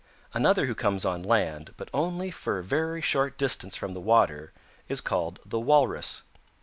"Another who comes on land, but only for a very short distance from the water, is called the Walrus.